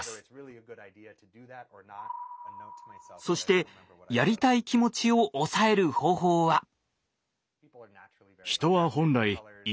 そしてやりたい気持ちを抑える方法は。